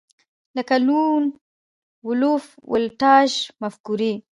لکه لون وولف ولټاژ مفکورې